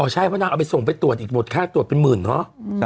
ใช่เพราะนางเอาไปส่งไปตรวจอีกหมดค่าตรวจเป็นหมื่นเนอะ